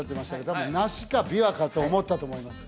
多分梨かビワかと思ったと思います